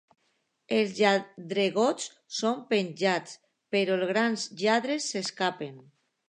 Els lladregots són penjats, però els grans lladres s'escapen.